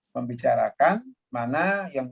membicarakan mana yang